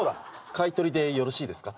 買い取りでよろしいですか？